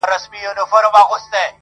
او له خپل کاره اغېزمن ښکاري،